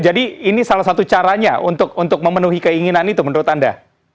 jadi ini salah satu caranya untuk memenuhi keinginan itu menurut anda